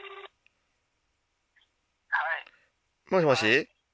もしもし。